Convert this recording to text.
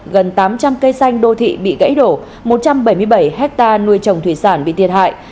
gần tám trăm linh cây xanh đô thị bị gãy đổ một trăm bảy mươi bảy hectare nuôi trồng thủy sản bị thiệt hại